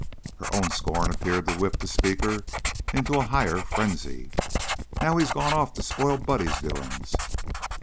Her own scorn appeared to whip the speaker into a higher frenzy. "Now he's gone off to spoil Buddy's doin's.